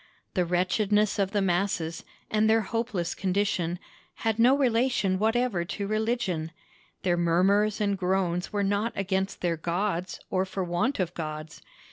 The wretchedness of the masses, and their hopeless condition, had no relation whatever to religion; their murmurs and groans were not against their gods or for want of gods.